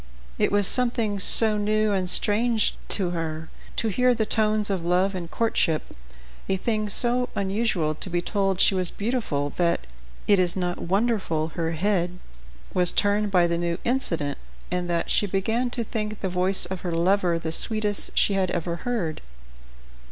It was something so new and strange to her to hear the tones of love and courtship, a thing so unusual to be told she was beautiful, that it is not wonderful her head was turned by the new incident, and that she began to think the voice of her lover the sweetest she had ever heard.